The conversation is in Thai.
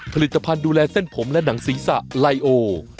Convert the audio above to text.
ผลิตภัณฑ์ดูแลเส้นผมและหนังศีรษะไลโอ